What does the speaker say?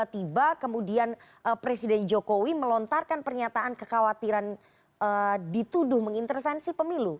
tiba kemudian presiden jokowi melontarkan pernyataan kekhawatiran dituduh mengintervensi pemilu